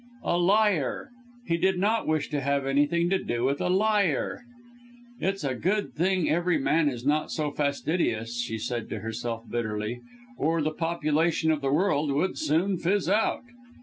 A liar! He did not wish to have anything to do with a liar! It's a good thing every man is not so fastidious, she said to herself bitterly, or the population of the world would soon fizz out.